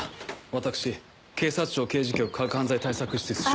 私警察庁刑事局科学犯罪対策室室長の。